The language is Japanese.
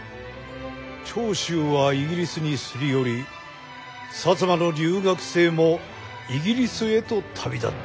長州はイギリスにすり寄り摩の留学生もイギリスへと旅立った。